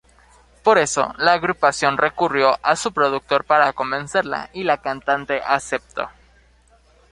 Por eso la agrupación recurrió a su productor para convencerla, y la cantante aceptó.